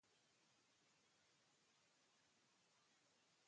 Otros torneos internacionales han sido jugados.